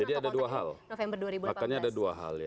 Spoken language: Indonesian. jadi ada dua hal makanya ada dua hal